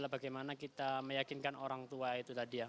bagaimana kita meyakinkan orang tua itu tadi ya